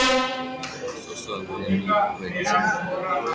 Zozoak beleari ipurbeltz